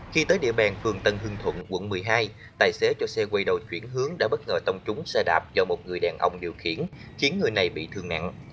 khi tới địa bàn phường tân hương thuận quận một mươi hai tài xế cho xe quay đầu chuyển hướng đã bất ngờ tông trúng xe đạp do một người đàn ông điều khiển khiến người này bị thương nặng